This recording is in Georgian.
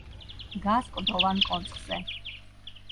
დგას კლდოვან კონცხზე.